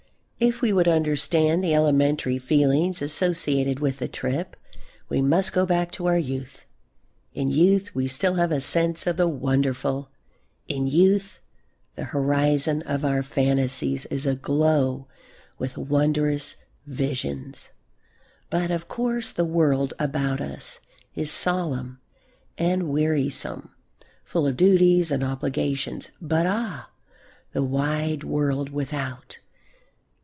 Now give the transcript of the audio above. If we would understand the elementary feelings associated with a trip we must go back to our youth. In youth we still have a sense of the wonderful; in youth the horizon of our fantasies is aglow with wondrous visions. But of course the world about us is solemn and wearisome, full of duties and obligations. But ah, the wide world without!